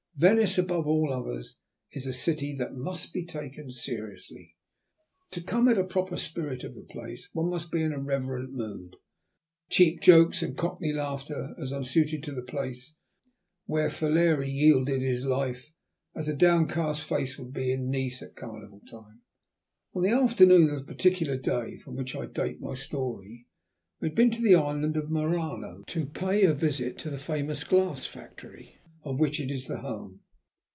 Venice, above all others, is a city that must be taken seriously. To come at a proper spirit of the place one must be in a reverent mood. Cheap jokes and Cockney laughter are as unsuited to the place, where Falieri yielded his life, as a downcast face would be in Nice at carnival time. On the afternoon of the particular day from which I date my story, we had been to the island of Murano to pay a visit to the famous glass factories of which it is the home.